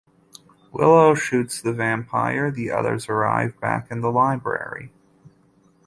Willow shoots the vampire; the others arrive back in the library.